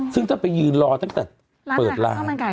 ซึ่งถ้าไปยืนรอตั้งแต่เปิดร้าน